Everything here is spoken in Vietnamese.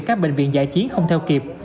các bệnh viện dạy chiến không theo kịp